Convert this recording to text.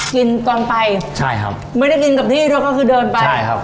กินตอนไปใช่ครับไม่ได้กินกับที่ด้วยก็คือเดินไปใช่ครับ